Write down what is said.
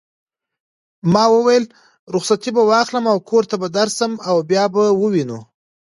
ما وویل: رخصتې به واخلم او کور ته به درشم او بیا به وینو.